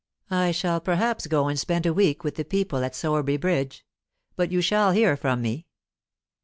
"I shall perhaps go and spend a week with the people at Sowerby Bridge. But you shall hear from me."